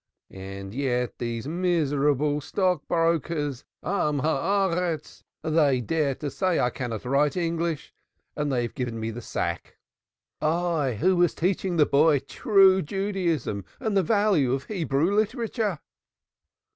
And yet these miserable stockbrokers, Men of the Earth, they dare to say I cannot write English, and they have given me the sack. I, who was teaching the boy true Judaism and the value of Hebrew literature."